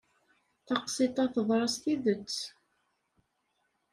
Taqsiṭ-a teḍra s tidet.